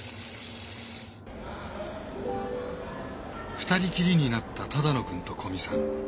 ２人きりになった只野くんと古見さん